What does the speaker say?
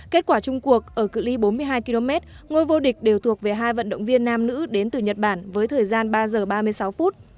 kết quả chung cuộc ở cự li bốn mươi hai km ngôi vô địch đều thuộc về hai vận động viên nam nữ đến từ nhật bản với thời gian ba giờ ba mươi sáu phút